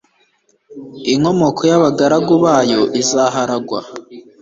inkomoko y'abagaragu bayo ikazaharagwa